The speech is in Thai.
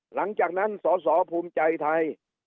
หลังจากนั้นสอสอภูมิใจไทย